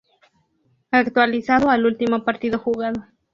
Actualizado al último partido jugado.